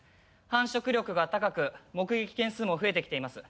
繁殖力が高く目撃件数も増えてきています。